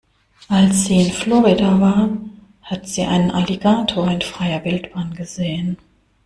Als sie in Florida war, hat sie einen Alligator in freier Wildbahn gesehen.